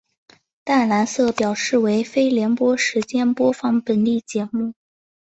淡蓝色表示为非联播时间播放本地节目。